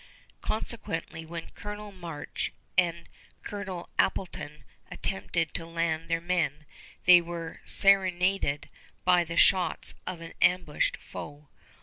Consequently, when Colonel March and Colonel Appleton attempted to land their men, they were serenaded by the shots of an ambushed foe.